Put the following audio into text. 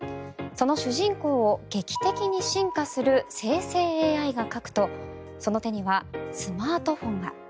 その主人公を劇的に進化する生成ＡＩが描くとその手にはスマートフォンが。